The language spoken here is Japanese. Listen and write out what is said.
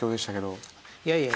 いやいや。